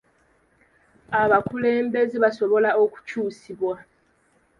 Abakulembeze basobola okukyusibwa.